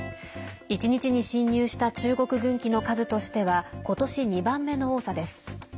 １日に進入した中国軍機の数としてはことし２番目の多さです。